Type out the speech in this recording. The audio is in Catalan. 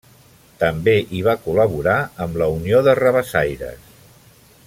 També hi va col·laborar amb la Unió de Rabassaires.